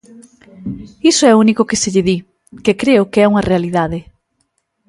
Iso é o único que se lle di, que creo que é unha realidade.